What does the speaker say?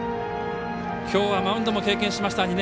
きょうはマウンドも経験しました。